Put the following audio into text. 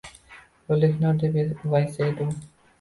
Oʻlik nur! – deb vaysadi u.